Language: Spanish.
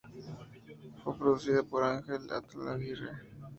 Fue producida por Ángel Altolaguirre.